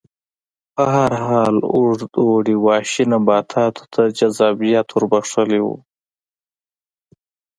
په هر حال اوږد اوړي وحشي نباتاتو ته جذابیت ور بخښلی و